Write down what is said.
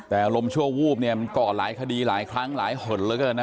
แต่อารมณ์ชั่ววูบเนี้ยมันกล่อหลายคดีหลายครั้งหลายหทแล้วจ้า